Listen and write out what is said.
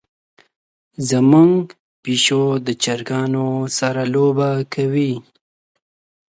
زمونږ پیشو د چرګانو سره لوبه کوي.